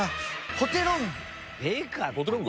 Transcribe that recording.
ポテロング？